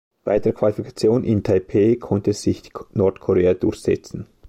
Bei der Qualifikation in Taipeh konnte sich Nordkorea durchsetzen.